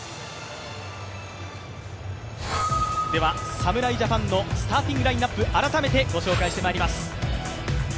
侍ジャパンのスターティングラインナップ、改めてご紹介してまいります。